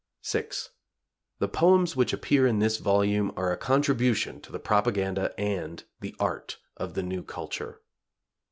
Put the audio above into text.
VI. The poems which appear in this volume are a contribution to the propaganda and the art of the new culture.